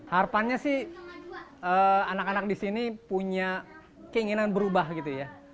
harapannya sih anak anak di sini punya keinginan berubah gitu ya